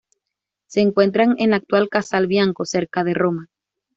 Se encuentra en la actual Casal Bianco, cerca de Roma.